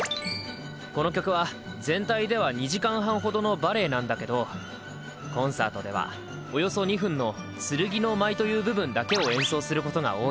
この曲は全体では２時間半ほどのバレエなんだけどコンサートではおよそ２分の「剣の舞」という部分だけを演奏することが多い。